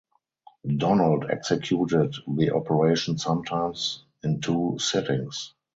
Donald executed the operation sometimes in two sittings.